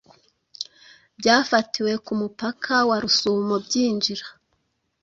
Byafatiwe kumupaka warusumo byinjira